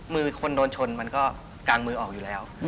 มือคนโดนชนมันก็กางมือออกอยู่แล้ว